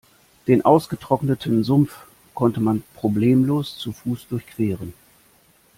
Den ausgetrockneten Sumpf konnte man problemlos zu Fuß durchqueren.